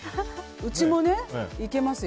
うちもいけますよ。